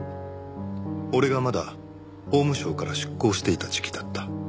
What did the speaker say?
俺がまだ法務省から出向していた時期だった